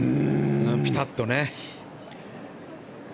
ピタッとね。